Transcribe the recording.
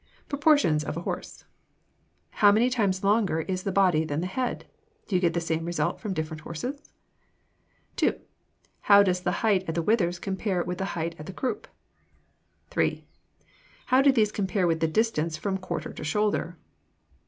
PROPORTIONS OF A HORSE 1. How many times longer is the body than the head? Do you get the same result from different horses? 2. How does the height at the withers compare with the height at the croup? 3. How do these compare with the distance from quarter to shoulder?